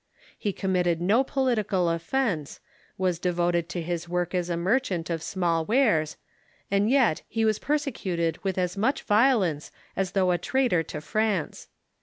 He committed no political offence, was devoted to his work as a merchant of small wares, and yet he was persecuted with as much violence as though a traitor to France.